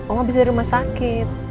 oma bisa rumah sakit